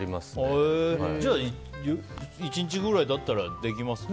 じゃあ、１日ぐらいだったらできますね。